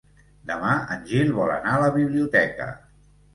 Demà en Gil vol anar a la biblioteca.